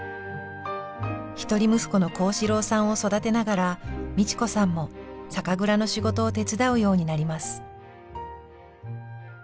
一人息子の甲子郎さんを育てながら美智子さんも酒蔵の仕事を手伝うようになります。